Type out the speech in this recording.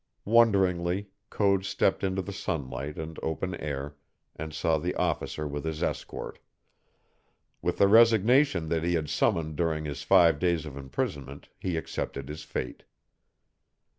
Wonderingly, Code stepped into the sunlight and open air and saw the officer with his escort. With the resignation that he had summoned during his five days of imprisonment he accepted his fate.